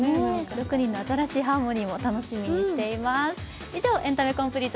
６人の新しいハーモニーも楽しみにしています。